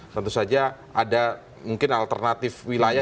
tentu saja ada mungkin alternatif wilayah